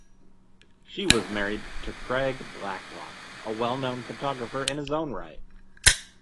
She was married to Craig Blacklock, a well-known photographer in his own right.